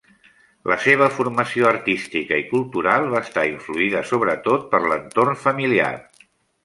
La seva formació artística i cultural va estar influïda sobretot per l'entorn familiar.